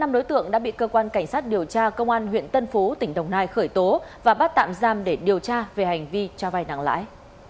năm đối tượng đã bị cơ quan cảnh sát điều tra công an huyện tân phú tỉnh đồng nai khởi tố và bắt tạm giam để điều tra về hành vi cho vai nặng lãi